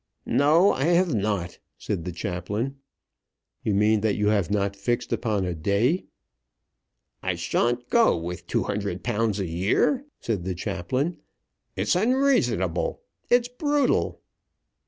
"No; I have not," said the chaplain. "You mean that you have not fixed upon a day?" "I shan't go with £200 a year," said the chaplain. "It's unreasonable; it's brutal!"